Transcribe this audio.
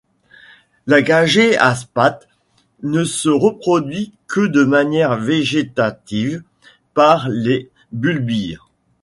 La Gagée à spathe ne se reproduit que de manière végétative par les bulbilles.